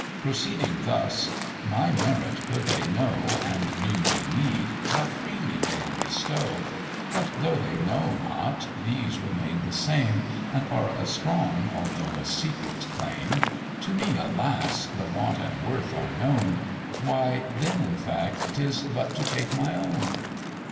Proceeding thus, "My merit could they know; And knew my need, how freely they'd bestow; But though they know not, these remain the same, And are a strong, although a secret claim: To me, alas! the want and worth are known; Why then, in fact, 'tis but to take my own."